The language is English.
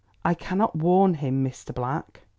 "I cannot warn him, Mr. Black."